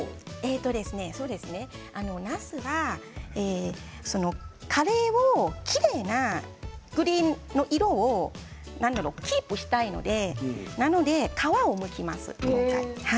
なすはカレーのきれいなグリーンの色をキープしたいので皮をむきます。